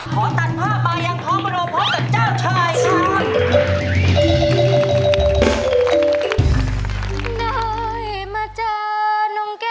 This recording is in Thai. ขอตัดผ้าบายังพร้อมโมโมพร้อมกับเจ้าชายค่ะ